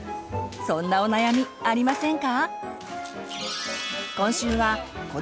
そんなお悩みありませんか？